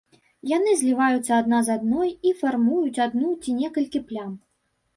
Яны зліваюцца адна з адной і фармуюць адну ці некалькі плям.